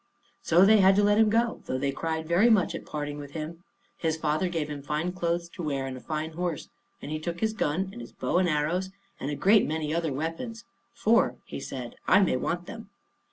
So they had to let him go, though they cried very much at parting with him. His father gave him fine clothes to wear, and a fine horse. And he took his gun, and his bow and arrows, and a great many other weapons; "for," he said, "I may want them."